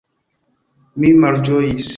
Mi malĝojis.